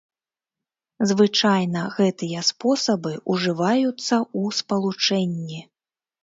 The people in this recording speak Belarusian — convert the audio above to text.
Звычайна гэтыя спосабы ўжываюцца ў спалучэнні.